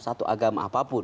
satu agama apapun